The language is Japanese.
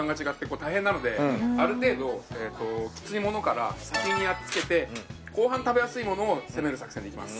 ある程度きついものから先にやっつけて後半食べやすいものを攻める作戦でいきます。